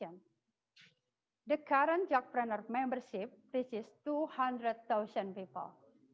ya jadi seratus adalah kondisi pre covid situasi normal